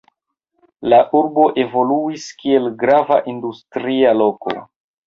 La urbo evoluis, kiel grava industria loko.